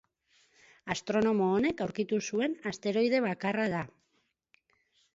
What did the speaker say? Astronomo honek aurkitu zuen asteroide bakarra da.